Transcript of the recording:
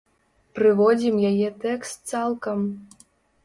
Прыводзім яе тэкст цалкам.